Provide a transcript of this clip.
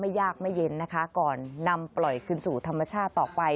ยากไม่เย็นนะคะก่อนนำปล่อยคืนสู่ธรรมชาติต่อไป